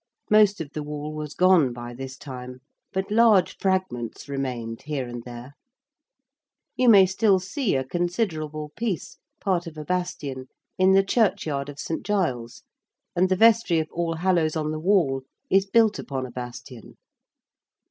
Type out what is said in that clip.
Most of the Wall was gone by this time but large fragments remained here and there. You may still see a considerable piece, part of a bastion in the churchyard of St. Giles, and the vestry of All Hallows on the Wall is built upon a bastion.